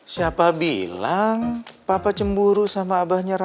siapa bilang papa cemburu sama abahnya